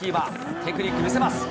テクニック見せます。